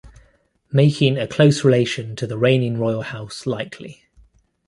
Making a close relation to the reigning royal house likely.